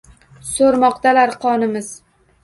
So’rmoqdalar qonimiz.